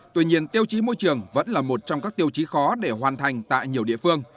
tuy nhiên tiêu chí môi trường vẫn là một trong các tiêu chí khó để hoàn thành tại nhiều địa phương